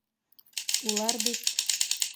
Улар бит...